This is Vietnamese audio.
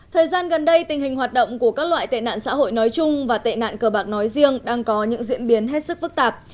thời gian gần đây tình hình hoạt động của các loại tệ nạn xã hội nói chung và tệ nạn cờ bạc nói riêng đang có những diễn biến hết sức phức tạp